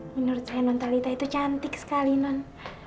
menurut saya nontalita itu cantik sekali non